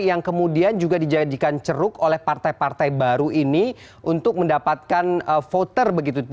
yang kemudian juga dijadikan ceruk oleh partai partai baru ini untuk mendapatkan voter begitu